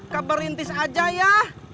kak berintis aja ya